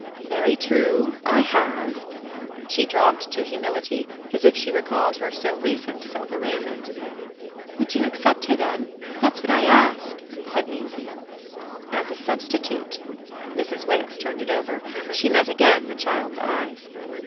"Very true, I have." She dropped to humility, as if she recalled her so recent self arraignment. "Would you accept her then? That's what I ask," said Maisie. "As a substitute?" Mrs. Wix turned it over; she met again the child's eyes.